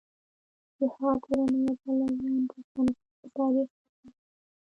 د هغه کورنۍ او پلویان د افغانستان په تاریخ کې ځای لري.